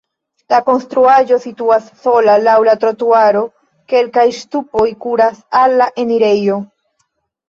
La konstruaĵo situas sola laŭ la trotuaro, kelkaj ŝtupoj kuras al la enirejo.